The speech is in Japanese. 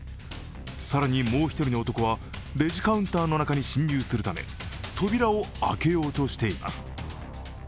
更に、もう１人の男はレジカウンターの中に侵入するため扉を開けようとしています。